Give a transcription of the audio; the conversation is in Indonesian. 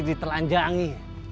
ganti di telanjangi